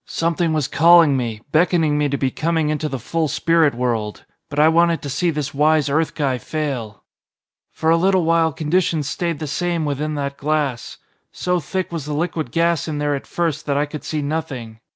Something was calling me, beckoning me to be coming into the full spirit world. But I wanted to see this wise earth guy fail. "For a little while conditions stayed the same within that glass. So thick was the liquid gas in there at first that I could see nothing.